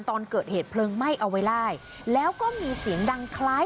ตอนเกิดเหตุเพลิงไหม้เอาไว้ได้แล้วก็มีเสียงดังคล้าย